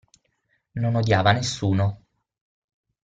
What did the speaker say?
Non odiava nessuno.